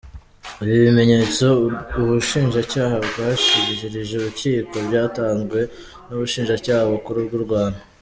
Ibi bimenyetso ubushinjacyaha bwashyikirije urukiko, byatanzwe n’ubushinjacyaha bukuru bw’u Rwanda .